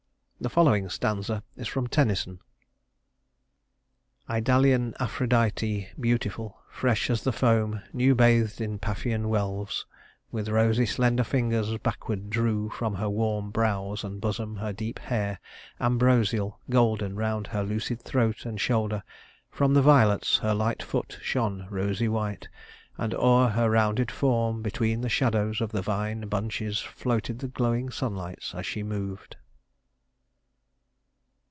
The following stanza is from Tennyson: "Idalian Aphrodite beautiful, Fresh as the foam, new bathed in Paphian wells, With rosy slender fingers backward drew From her warm brows and bosom her deep hair Ambrosial, golden round her lucid throat And shoulder; from the violets her light foot Shone rosy white, and o'er her rounded form Between the shadows of the vine bunches Floated the glowing sunlights, as she moved."